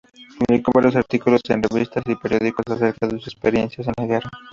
Publicó varios artículos en revistas y periódicos acerca de sus experiencias en la guerra.